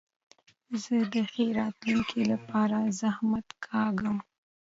زه د ښې راتلونکي له پاره زحمت کاږم.